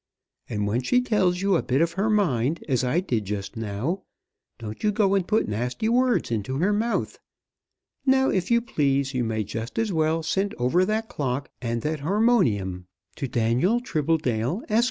And when she tells you a bit of her mind, as I did just now, don't you go and put nasty words into her mouth. Now, if you please, you may just as well send over that clock and that harmonium to Daniel Tribbledale, Esq.